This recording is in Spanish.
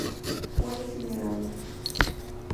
Fue incinerado.